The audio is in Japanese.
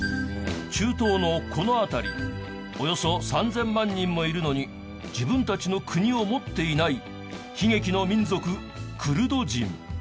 中東のこの辺りおよそ３０００万人もいるのに自分たちの国を持っていない悲劇の民族クルド人。